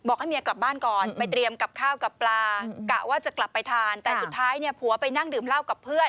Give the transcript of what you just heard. ให้เมียกลับบ้านก่อนไปเตรียมกับข้าวกับปลากะว่าจะกลับไปทานแต่สุดท้ายเนี่ยผัวไปนั่งดื่มเหล้ากับเพื่อน